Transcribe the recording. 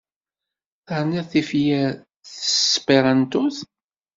Terniḍ tifyar s tesperantot?